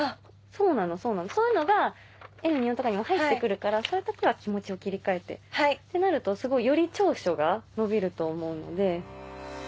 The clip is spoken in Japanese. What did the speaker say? そうなのそうなのそういうのが『Ｎ２４』とかにも入って来るからそういう時は気持ちを切り替えて。ってなるとより長所が伸びると思うので。